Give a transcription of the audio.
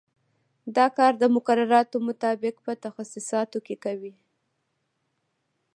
دا کار د مقرراتو مطابق په تخصیصاتو کې کوي.